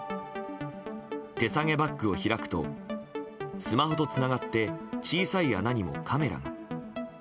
手提げバッグを開くとスマホとつながって小さい穴にもカメラが。